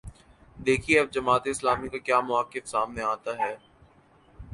دیکھیے اب جماعت اسلامی کا کیا موقف سامنے آتا ہے۔